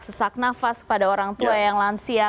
sesak nafas pada orang tua yang lansia